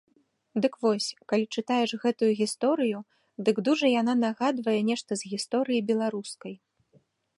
Дык вось, калі чытаеш гэтую гісторыю, дык дужа яна нагадвае нешта з гісторыі беларускай.